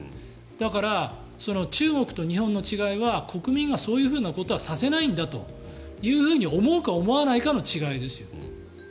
だから、中国と日本の違いは国民が、そういうことはさせないんだというふうに思うか思わないかの違いですよ。